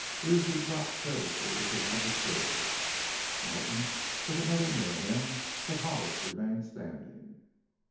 Greasy dropped carelessly into one of the chairs, Norton took another near him, but Hollis remained standing.